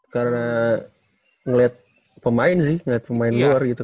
karena ngeliat pemain sih ngeliat pemain luar gitu